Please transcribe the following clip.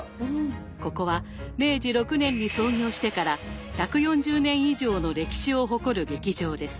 ここは明治６年に創業してから１４０年以上の歴史を誇る劇場です。